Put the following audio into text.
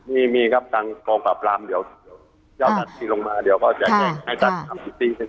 มีครับตั้งกองกลับร้ำเดียวเดี๋ยวจัดทีลงมาเดี๋ยวก็จะให้จัดที